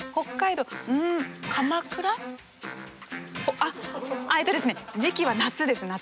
えっとですね時期は夏です夏。